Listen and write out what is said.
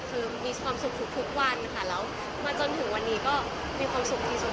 คือมีความสุขทุกวันค่ะแล้วมาจนถึงวันนี้ก็มีความสุขที่สุด